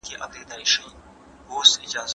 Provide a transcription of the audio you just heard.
د لاس لیکنه د ذهن دوامداره حرکت دی.